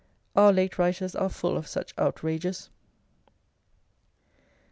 Our late writers are full of such outrages.